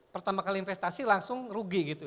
pertama kali investasi langsung rugi gitu